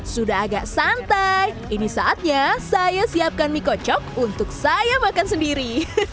sudah agak santai ini saatnya saya siapkan mie kocok untuk saya makan sendiri